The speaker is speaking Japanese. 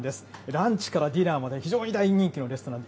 ランチからディナーまで非常に大人気のレストラン。